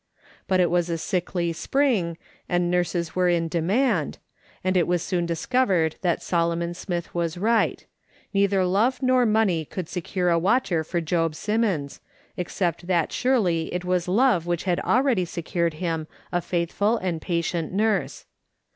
But it was a sickly spring, and nurses were in demand, and it was soon discovered that Solomon Smith was right ; neither love nor money could secure a watcher for Job Simmons, except that surely it was love which had already secured him a faithful and patient nurse.